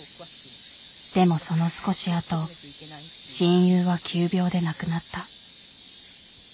でもその少しあと親友は急病で亡くなった。